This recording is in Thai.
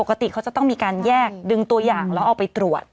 ปกติเขาจะต้องมีการแยกดึงตัวอย่างแล้วเอาไปตรวจ